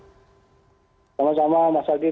selamat pagi pak sehat selalu